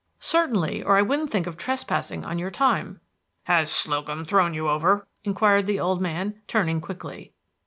"Certainly, or I wouldn't think of trespassing on your time." "Has Slocum thrown you over?" inquired the old man, turning quickly.